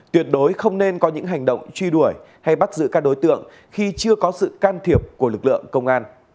tuyệt đối không nên có những hành động truy đuổi hay bắt giữ các đối tượng khi chưa có sự can thiệp của lực lượng công an